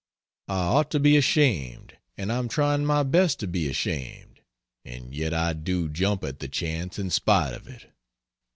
I ought to be ashamed and I am trying my best to be ashamed and yet I do jump at the chance in spite of it.